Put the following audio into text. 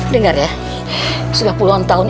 dengar ya sudah puluhan tahun